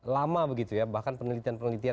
lama begitu ya bahkan penelitian penelitian